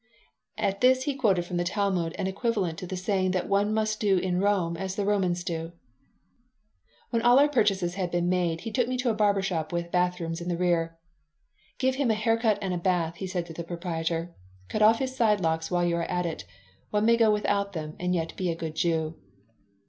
At this he quoted from the Talmud an equivalent to the saying that one must do in Rome as the Romans do When all our purchases had been made he took me to a barber shop with bathrooms in the rear "Give him a hair cut and a bath," he said to the proprietor. "Cut off his side locks while you are at it. One may go without them and yet be a good Jew."